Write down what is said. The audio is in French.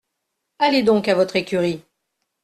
Allez donc à votre écurie !